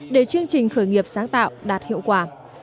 để chương trình khởi nghiệp sáng tạo đạt hiệu quả